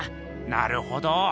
なるほど。